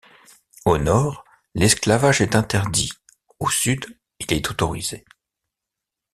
Au nord, l'esclavage est interdit, au sud, il est autorisé.